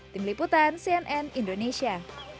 tim liputan cnn indonesia